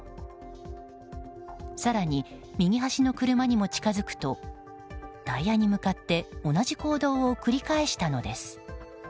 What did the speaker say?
更に、右端の車にも近づくとタイヤに向かって同じ行動を繰り返したのです。